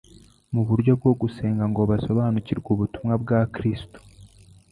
mu buryo bwo gusenga ngo basobanukirwe ubutumwa bwa Kristo.